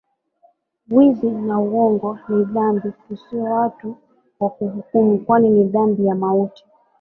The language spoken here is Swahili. Wizi na uongo ni dhambi tusiwe watu wa kuhukumu kwani ni dhambi ya mauti